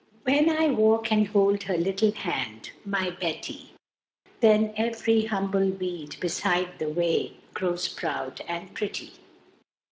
When I walk and hold her little hand, My Betty, Then every humble weed beside the way Grows proud and pretty.